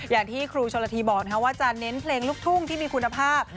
อย่างที่ครูชนละทีบอกว่าจะเน้นเพลงลูกทุ่งที่มีคุณภาพ